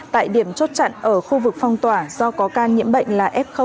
tại điểm chốt chặn ở khu vực phong tỏa do có ca nhiễm bệnh là f một